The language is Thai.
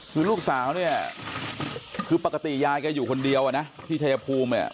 คือลูกสาวเนี่ยคือปกติยายแกอยู่คนเดียวอ่ะนะที่ชายภูมิเนี่ย